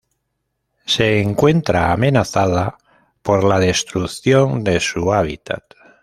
Se encuentra amenazada por la destrucción de su hábitat.